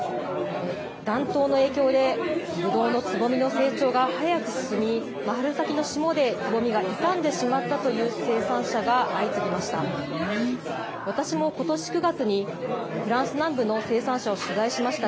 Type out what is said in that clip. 暖冬の影響で、ぶどうのつぼみの成長が早く進み、春先の霜でつぼみが傷んでしまったという生産者が相次ぎました。